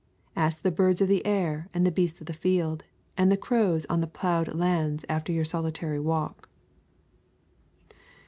Ask the birds of the air and the beasts of the field and the crows on the ploughed lands after your solitary walk.